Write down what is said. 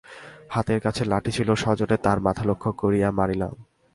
হাতের কাছে লাঠি ছিল, সজোরে তার মাথা লক্ষ্য করিয়া মারিলাম।